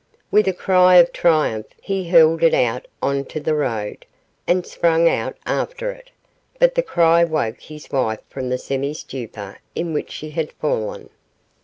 With a cry of triumph he hurled it out on to the road, and sprang out after it; but the cry woke his wife from the semi stupor into which she had fallen.